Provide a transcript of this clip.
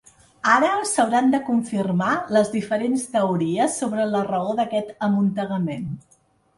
Ara, s’hauran de confirmar les diferents teories sobre la raó d’aquest amuntegament.